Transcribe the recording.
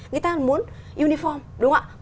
người ta muốn uniform đúng không ạ